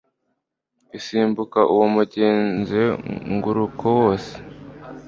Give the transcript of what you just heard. isimbuka uwo muzenguruko wose